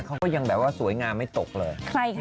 เขาก็ยังแบบว่าสวยงามไม่ตกเลย